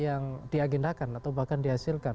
yang diagendakan atau bahkan dihasilkan